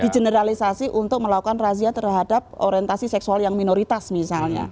di generalisasi untuk melakukan razia terhadap orientasi seksual yang minoritas misalnya